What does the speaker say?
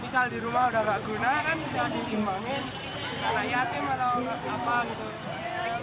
misal di rumah udah gak guna kan bisa dijembangin karena yatim atau apa gitu